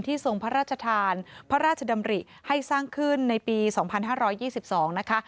ทรงพระราชทานพระราชดำริให้สร้างขึ้นในปี๒๕๒๒นะคะ